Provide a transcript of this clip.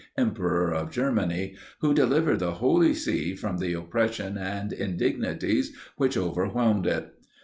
Emperor of Germany, who delivered the Holy See from the oppression and indignities which overwhelmed it.